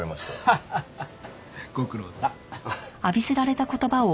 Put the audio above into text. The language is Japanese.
ハハハハご苦労さん。